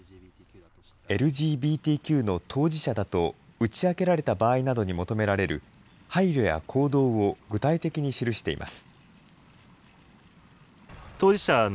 ＬＧＢＴＱの当事者だと打ち明けられた場合などに求められる配慮や行動を具体的に記しています。